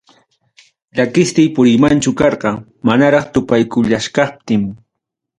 Llakistin puriymanchu karqa, manaraq tupaykullachkaptiy.